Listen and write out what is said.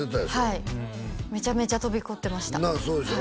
はいめちゃくちゃ飛び交ってましたそうでしょ？